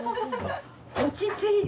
落ち着いて。